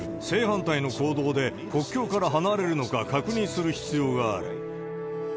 正反対の行動で、国境から離れるのか確認する必要がある。